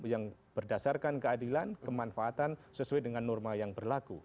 yang berdasarkan keadilan kemanfaatan sesuai dengan norma yang berlaku